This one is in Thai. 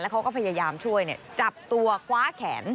เขาก็พยายามช่วยจับตัวคว้าแขน